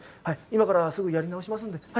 はい今からすぐやり直しますんで。